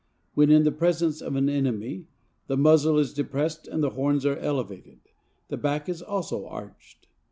When in the presence of an enemy "the muzzle is depressed and the horns are elevated. The back is also arched."